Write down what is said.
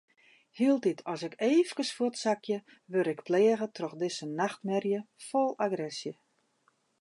Hieltyd as ik eefkes fuortsakje, wurd ik pleage troch dizze nachtmerje fol agresje.